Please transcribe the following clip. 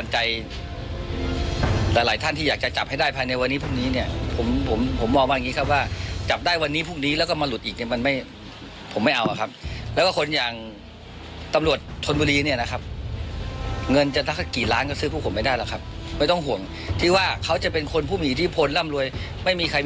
ยาท่าน้ำขาวไทยนครเพราะทุกการเดินทางของคุณจะมีแต่รอยยิ้ม